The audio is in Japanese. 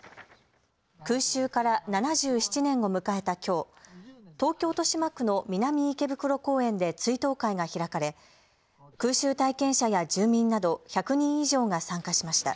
空襲から７７年を迎えたきょう、東京・豊島区の南池袋公園で追悼会が開かれ空襲体験者や住民など１００人以上が参加しました。